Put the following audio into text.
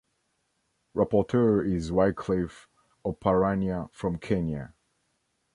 Rapporteur is Wycliffe Oparanya from Kenya.